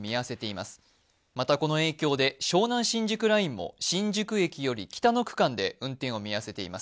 また、この影響で湘南新宿ラインも新宿駅より北の区間で運転を見合わせています。